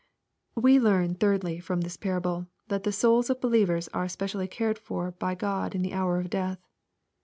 We learn, thirdly, from this parable, that the souls of believers are specially cared for by God in the hour of death.